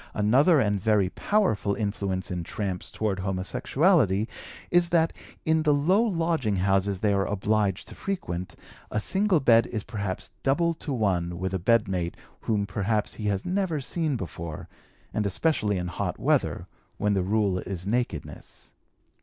Another and very powerful influence in 'tramps' toward homosexuality is that, in the low lodging houses they are obliged to frequent, a single bed is perhaps double to one with a bedmate whom perhaps he has never seen before, and especially in hot weather, when the rule is nakedness.